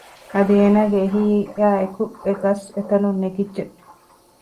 އަދި އޭނާގެ އެހީއާއެކު އެގަސް އެތަނުން ނެގިއްޖެ